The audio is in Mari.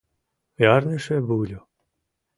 Ярныше вӱльӧ